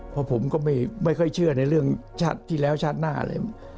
เพราะผมก็ไม่ค่อยเชื่อในเรื่องชาติที่แล้วชาติหน้าอะไร